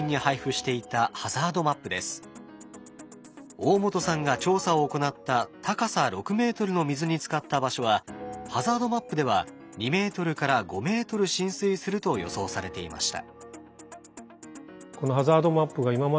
大本さんが調査を行った高さ６ｍの水につかった場所はハザードマップでは２ｍ５ｍ浸水すると予想されていました。